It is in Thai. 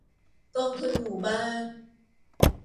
กองทุนหมู่บ้าน